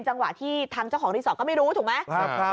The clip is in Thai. จังหวะที่ทางเจ้าของรีสอร์ทก็ไม่รู้ถูกไหม